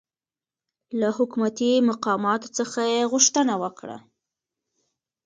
له حکومتي مقاماتو څخه یې غوښتنه وکړه